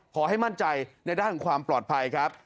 ขอให้มั่นใจในด้านของความปลอดภัยครับ